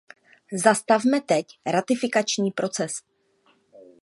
Zastavme teď ratifikační proces.